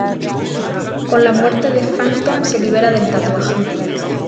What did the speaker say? Con la muerte de Phantom se libera del tatuaje.